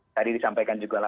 tadi disampaikan juga